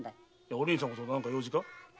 お凛さんこそ何か用事か？